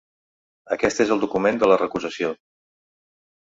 Aquest és el document de la recusació.